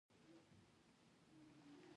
موږ د خپل تولید ملاتړ کوو.